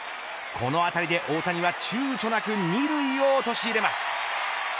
このあたりで大谷はちゅうちょなく二塁を陥れます。